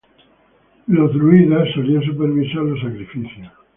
Los druidas solían supervisar los sacrificios.